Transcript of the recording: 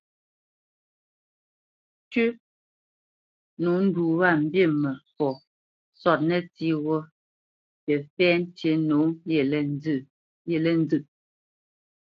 "Tʉ́ ; nǒ ndu wá mbi mə fɔ sɔ́t nə́tsí ghó tə́ fɛ́ tí nǒ yelê nzə."